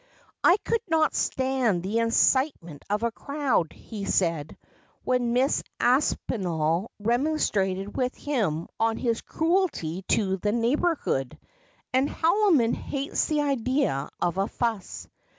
' I could not stand the excitement of a crowd,' he said, when Mrs. Aspinall remonstrated with him on his cruelty to the neigh bourhood, 'and Haldimond hates the idea of a fuss.'